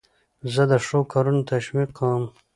زه د ښو کارو تشویق کوم.